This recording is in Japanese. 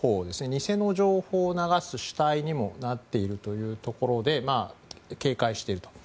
偽の情報を流す主体にもなっているというところで警戒していると。